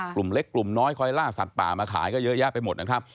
กลุ่มเล็กกลุ่มน้อยคอยล่าสัตว์ป่ามาขายก็เยอะแยะไปหมดนะครับ